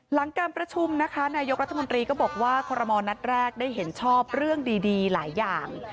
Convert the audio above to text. หลังการประชุมนะคะนายกรัฐมนตรีก็บอกว่าคอรมณ์นัดแรกได้เห็นชอบเรื่องดีหลายอย่าง